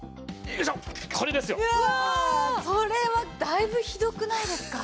だいぶひどくないですか？